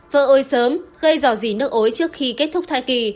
vỡ ối sớm gây giỏ dí nước ối trước khi kết thúc thai kỳ